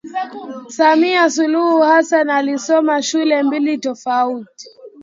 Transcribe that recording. Samia Suluhu Hassan alisoma shule mbili tofauti